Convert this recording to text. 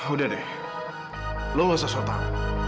udah deh lo gak usah sotau